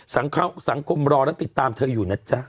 สังคมรอแล้วติดตามเธออยู่นะจ๊ะ